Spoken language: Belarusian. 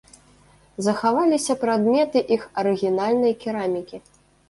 Захаваліся прадметы іх арыгінальнай керамікі.